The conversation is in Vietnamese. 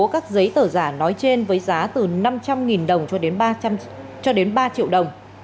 các giấy tờ giả nói trên với giá từ năm trăm linh đồng cho đến ba triệu đồng